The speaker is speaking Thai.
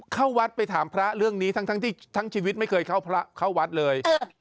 เข้าวัดไปถามพระอย่างนี้ทั้งชีวิตไม่เคยเข้าวัดเลย